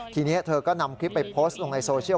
ทีนี้เธอก็นำคลิปไปโพสต์ลงในโซเชียล